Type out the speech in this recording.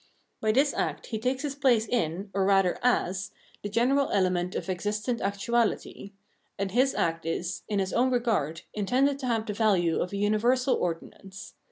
By this act he takes his place in, or rather as, the general element of existent actuahty ; and his act is, in his own regard, intended to have the value of a uni versal ordinance.